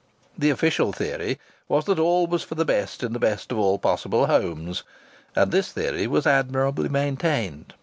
The official theory was that all was for the best in the best of all possible homes, and this theory was admirably maintained.